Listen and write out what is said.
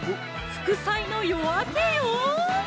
副菜の夜明けよ！